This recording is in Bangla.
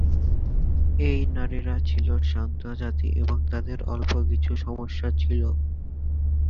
এই নারীরা ছিলো শান্ত জাতি এবং তাদের অল্প কিছু সমস্যা ছিলো।